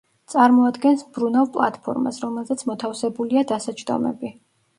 წარმოადგენს მბრუნავ პლატფორმას, რომელზეც მოთავსებულია დასაჯდომები.